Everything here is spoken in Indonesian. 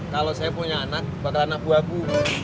kalau saya punya anak bakalan abu abu